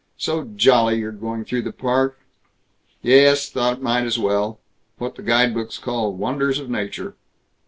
"So jolly you're going through the Park." "Yes, thought might as well. What the guide books call 'Wonders of Nature.'